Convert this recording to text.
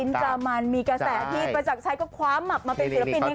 ขอจับชิ้นจามันมีกระแสที่พรชักชัยก็คว้ามมับมาเป็นศิลปินอีกให้เลย